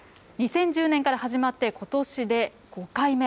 ２０１０年から始まって、ことしで５回目。